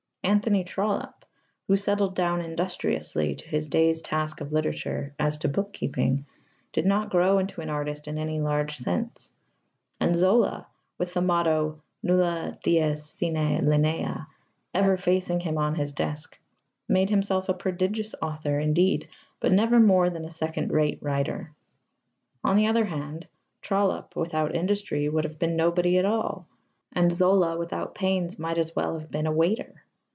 Anthony Trollope, who settled down industriously to his day's task of literature as to bookkeeping, did not grow into an artist in any large sense; and Zola, with the motto "Nulle dies sine linea" ever facing him on his desk, made himself a prodigious author, indeed, but never more than a second rate writer. On the other hand, Trollope without industry would have been nobody at all, and Zola without pains might as well have been a waiter.